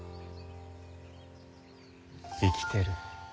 生きてる。